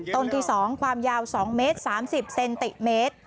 ต้นที่๒ความยาว๒เมตร๓๐เซนติเมตร